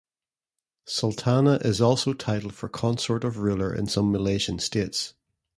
Sultana is also title for consort of ruler in some Malaysian states.